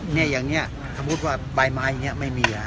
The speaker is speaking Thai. เนี่ยอย่างเนี้ยถ้าบอกว่าใบไม้อย่างเนี้ยไม่มีอ่ะ